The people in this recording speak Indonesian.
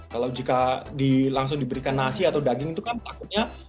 kalau jika langsung diberikan nasi atau daging itu kan takutnya